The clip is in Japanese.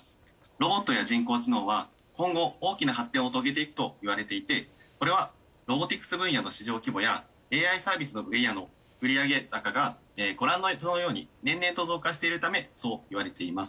ロボットや人工知能は今後大きな発展を遂げていくと言われていてこれはロボティクス分野の市場規模やＡＩサービスの分野の売上高がご覧の図のように年々と増加しているためそう言われています。